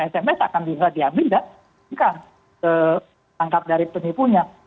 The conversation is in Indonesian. sms akan bisa diambil dan tangkap dari penipunya